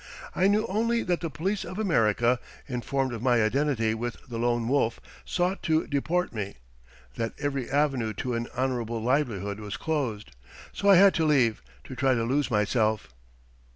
I knew only that the police of America, informed of my identity with the Lone Wolf, sought to deport me, that every avenue to an honourable livelihood was closed. So I had to leave, to try to lose myself."